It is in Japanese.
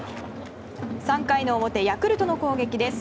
３回の表、ヤクルトの攻撃です。